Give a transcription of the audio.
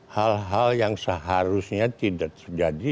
hal hal yang seharusnya tidak terjadi